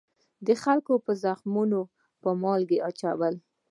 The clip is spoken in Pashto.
د خلکو په زخمونو به مالګې اچول.